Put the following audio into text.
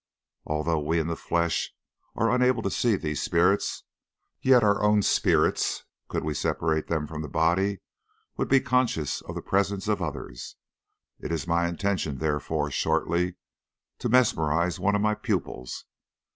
Although we in the flesh are unable to see these spirits, yet our own spirits, could we separate them from the body, would be conscious of the presence of others. It is my intention, therefore, shortly to mesmerise one of my pupils.